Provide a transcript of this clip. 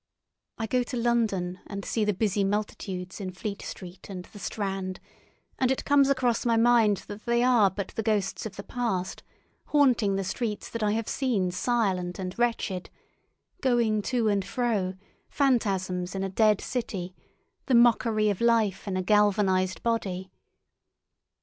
I go to London and see the busy multitudes in Fleet Street and the Strand, and it comes across my mind that they are but the ghosts of the past, haunting the streets that I have seen silent and wretched, going to and fro, phantasms in a dead city, the mockery of life in a galvanised body.